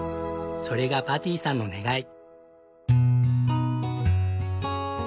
それがパティさんの願い。